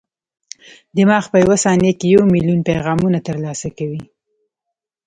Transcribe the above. دماغ په یوه ثانیه کې یو ملیون پیغامونه ترلاسه کوي.